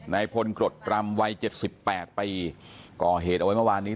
นายพลกรดปรำวัย๗๘ปีก่อเหตุเอาไว้เมื่อวานนี้